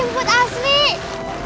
udah jemput astrid